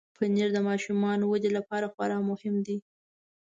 پنېر د ماشوم ودې لپاره خورا مهم دی.